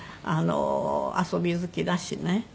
遊び好きだしね。